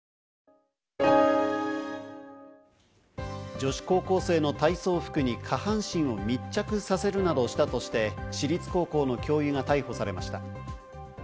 女子高校生の体操服に下半身を密着させるなどしたとして、私立高校の教諭が逮捕されました。